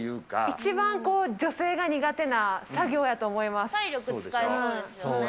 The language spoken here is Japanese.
一番女性が苦手な作業やと思体力使いそう。